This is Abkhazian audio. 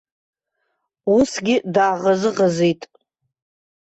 Усгьы дааӷызыӷызит.